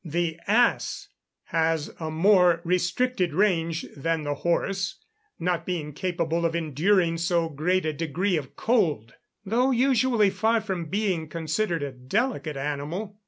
The ass has a more restricted range than the horse, not being capable of enduring so great a degree of cold, though usually far from being considered a delicate animal.